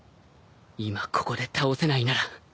今ここで倒せないなら